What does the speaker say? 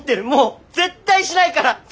もう絶対しないから。